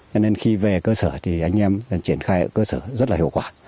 cho nên khi về cơ sở thì anh em triển khai ở cơ sở rất là hiệu quả